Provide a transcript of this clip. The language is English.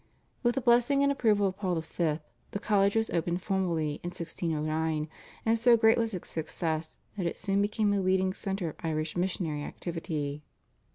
With the blessing and approval of Paul V. the college was opened formally in 1609, and so great was its success that it soon became the leading centre of Irish missionary activity.